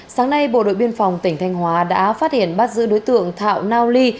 sáng nay bộ đội biên phòng tỉnh thanh hóa đã phát hiện bắt giữ đối tượng thạo nao ly